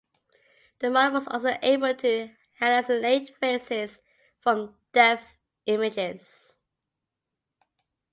The model was also able to hallucinate faces from depth images.